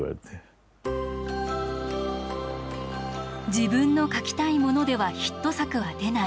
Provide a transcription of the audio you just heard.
自分の書きたいものではヒット作は出ない。